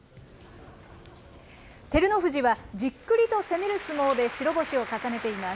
照ノ富士はじっくりと攻める相撲で白星を重ねています。